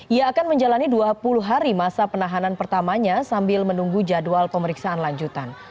ia akan menjalani dua puluh hari masa penahanan pertamanya sambil menunggu jadwal pemeriksaan lanjutan